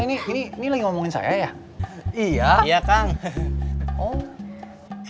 ini ini lagi ngomongin saya ya iya iya kang enak kalau ada kaget di warung rame centin aja senyumnya